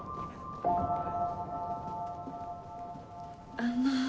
あの。